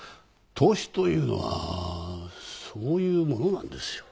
投資というのはそういうものなんですよ。